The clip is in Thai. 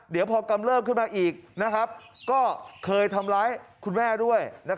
เดี๋ยวพอกำเริบขึ้นมาอีกก็เคยทำร้ายคุณแม่ด้วย